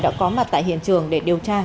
đã có mặt tại hiện trường để điều tra